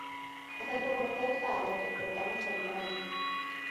O centro comercial está aberto, pero tamén solitario.